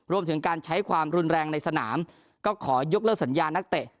รวมถึงการใช้ความรุนแรงในสนามก็ขอยกเลิกสัญญานักเตะ